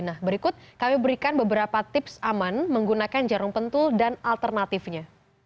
nah berikut kami berikan beberapa tips aman menggunakan jarum pentul dan alternatifnya